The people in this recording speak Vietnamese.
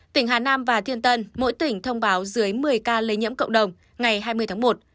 tỉnh hà nam và thiên tân mỗi tỉnh thông báo dưới một mươi ca lây nhiễm cộng đồng ngày hai mươi tháng một